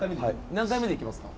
何回目でいきますか？